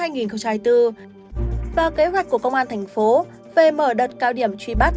theo kế hoạch của công an thành phố về mở đợt cao điểm truy bắt